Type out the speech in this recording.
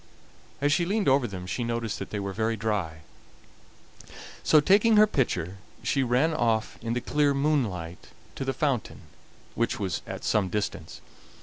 As she leaned over them she noticed that they were very dry. So taking her pitcher, she ran off in the clear moonlight to the fountain, which was at some distance.